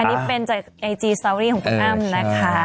อันนี้เป็นจากไอจีสตอรี่ของคุณอ้ำนะคะ